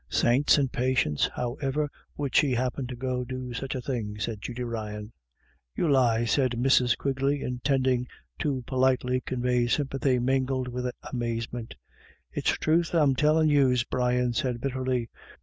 "Saints and patience, how iver would she happen to go do such a thing?" said Judy Ryan. "You lie," said Mrs. Quigley, intending to politely convey sympathy mingled with amaze ment. " It's truth I tellin' yous," Brian said bitterly.